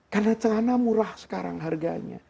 karena celana murah sekarang harganya